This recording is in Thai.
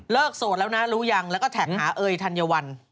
โสดแล้วนะรู้ยังแล้วก็แท็กหาเอยธัญวัล